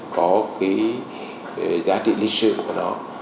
có giá trị lịch sử của nó